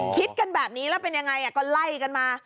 คิดกันแบบนี้แล้วเป็นยังไงก็ไล่กันมา